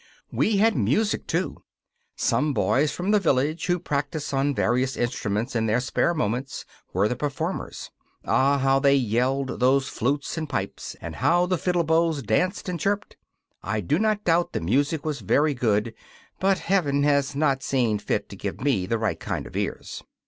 We had music, too. Some boys from the village, who practise on various instruments in their spare moments, were the performers. Ah, how they yelled, those flutes and pipes, and how the fiddle bows danced and chirped! I do not doubt the music was very good, but Heaven has not seen fit to give me the right kind of ears.